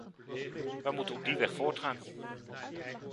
Wij moeten op die weg voortgaan.